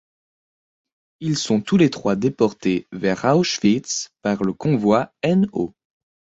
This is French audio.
Ils sont tous les trois déportés vers Auschwitz par le Convoi No.